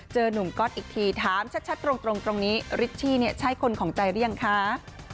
เจอนุ่มก็อตอีกทีถามชัดตรงตรงนี้ริชิเนี้ยใช่คนของใจเรียงคะ